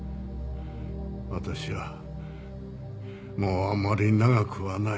私はもうあまり長くはない。